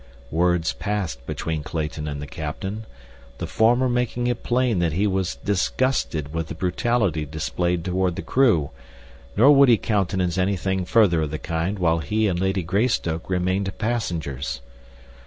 Words passed between Clayton and the captain, the former making it plain that he was disgusted with the brutality displayed toward the crew, nor would he countenance anything further of the kind while he and Lady Greystoke remained passengers.